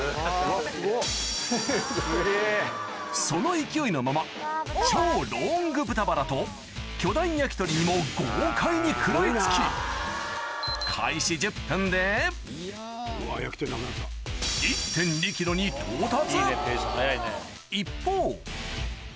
・すごっ・・すげぇ・その勢いのまま超ロング豚バラと巨大焼き鳥にも豪快に食らいつきに到達